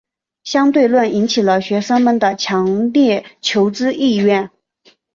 相对论引起了学生们的强烈求知意愿。